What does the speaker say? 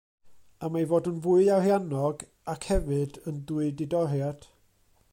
Am ei fod yn fwy ariannog, ac hefyd yn dwy didoriad.